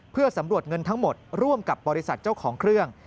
เพื่อสำรวจเงินทั้งหมดร่วมกับบริษัทเจ้าของเครื่อง